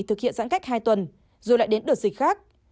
thực hiện giãn cách hai tuần rồi lại đến đợt dịch khác